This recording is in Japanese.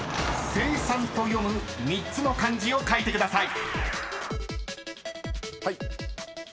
［「セイサン」と読む３つの漢字を書いてください］